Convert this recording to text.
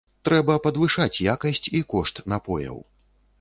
Трэба падвышаць якасць і кошт напояў.